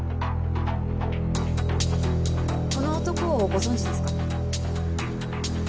この男をご存じですか？